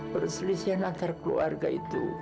perselisihan antar keluarga itu